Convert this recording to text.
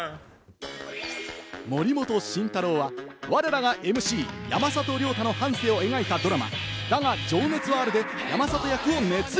森本慎太郎は、われらがＭＣ・山里亮太の半生を描いたドラマ『だが、情熱はある』で山里役を熱演。